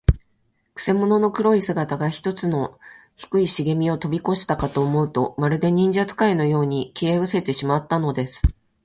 くせ者の黒い姿が、ひとつの低いしげみをとびこしたかと思うと、まるで、忍術使いのように、消えうせてしまったのです。